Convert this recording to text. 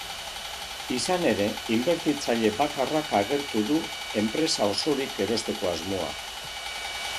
Izan ere, inbertitzaile bakarrak agertu du enpresa osorik erosteko asmoa.